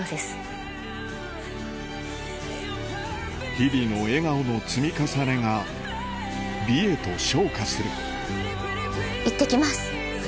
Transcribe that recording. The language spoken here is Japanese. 日々の笑顔の積み重ねが美へと昇華するいってきます。